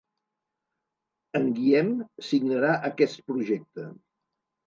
En Guiem signarà aquest projecte